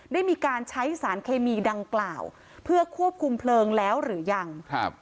ได้มีการใช้สารเคมีดังกล่าวเพื่อควบคุมเพลิงแล้วหรือยังครับ